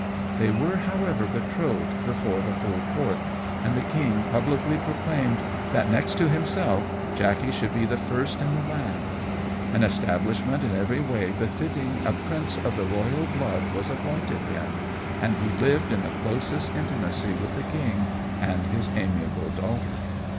They were, however, betrothed before the whole court, and the king publicly proclaimed that, next to himself, Jackey should be the first in the land. An establishment in every way befitting a prince of the royal blood was appointed him, and he lived in the closest intimacy with the king and his amiable daughter.